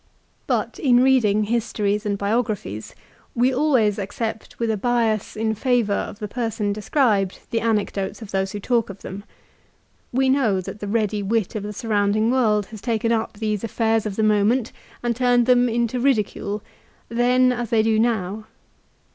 But, in reading histories and biographies, we always accept with a bias in favour of the person described the anecdotes of those who talk of them. We know that the ready wit of the surrounding world has taken up these affairs of the moment and turned them into ridicule, then as they do now.